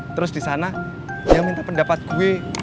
terus disana dia minta pendapat gue